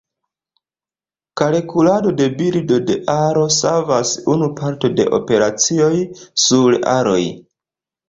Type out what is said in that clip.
Kalkulado de bildo de aro savas nu parto de operacioj sur aroj.